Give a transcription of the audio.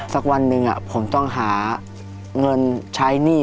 สักวันหนึ่งผมต้องหาเงินใช้หนี้